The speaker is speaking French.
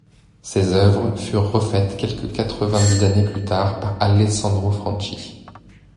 Ces œuvres furent refaites quelque quatre-vingt-dix années plus tard par Alessandro Franchi.